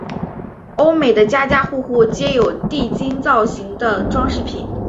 欧美的家家户户皆有地精造型的装饰品。